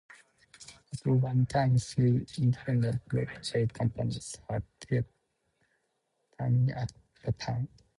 At one time three independent railway companies had their termini at the town.